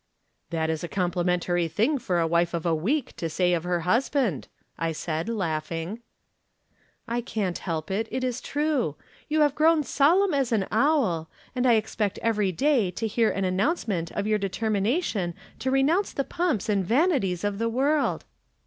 " That is a complimentary thing for a wife of a week to say of her husband," I said, laughing. " I can't help it ; it is true. You have grown solemn as an owl, and I expect every day to hear an announcement of your determtaation to re nounce the pomps and vanities of the world."